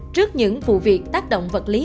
trước những vụ việc tác động vật lý